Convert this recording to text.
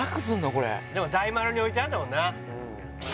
これでも大丸に置いてあるんだもんな